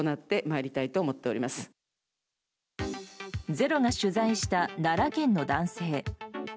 「ｚｅｒｏ」が取材した奈良県の男性。